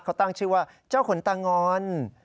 เขาตั้งชื่อว่าเจ้าขนตางอน